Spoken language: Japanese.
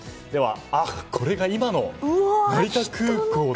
これが今の成田空港の様子。